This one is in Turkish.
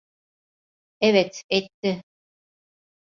Evet, etti.